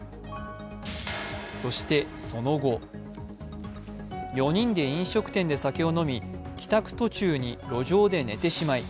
そして、その後４人で飲食店で酒を飲み帰宅途中に路上で寝てしまい、